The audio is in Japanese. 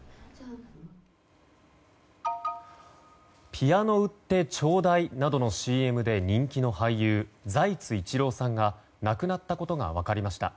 「ピアノ売ってチョーダイ！」などのＣＭで人気の俳優財津一郎さんが亡くなったことが分かりました。